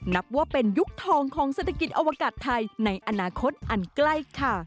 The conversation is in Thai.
นับว่าเป็นยุคทองของเศรษฐกิจอวกาศไทยในอนาคตอันใกล้ค่ะ